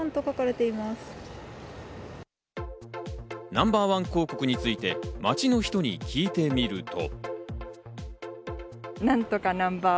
ナンバーワン広告について街の人に聞いてみると。